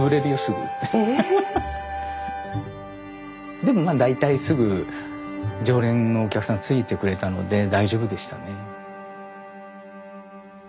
でもまあ大体すぐ常連のお客さんついてくれたので大丈夫でしたね。